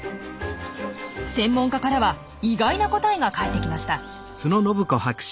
専門家からは意外な答えが返ってきました。